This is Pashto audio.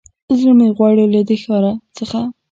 زړه مې غواړي له دې ښار څخه